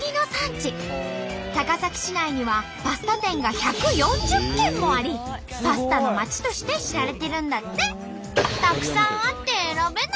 高崎市内にはパスタ店が１４０軒もあり「パスタのまち」として知られてるんだって。